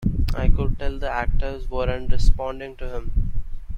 I could tell the actors weren't responding to him.